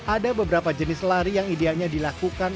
ada beberapa jenis lari yang idealnya dilakukan